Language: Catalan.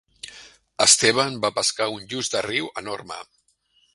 Esteban va pescar un lluç de riu enorme.